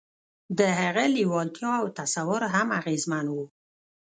د هغه لېوالتیا او تصور هم اغېزمن وو